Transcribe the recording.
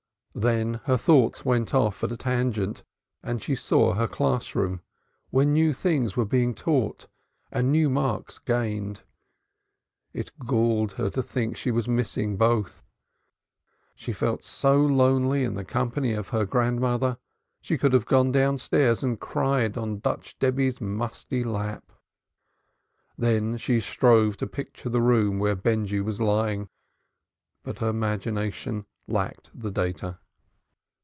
Then her thoughts went off at a tangent and she saw her class room, where new things were being taught, and new marks gained. It galled her to think she was missing both. She felt so lonely in the company of her grandmother, she could have gone downstairs and cried on Dutch Debby's musty lap. Then she strove to picture the room where Benjy was lying, but her imagination lacked the data.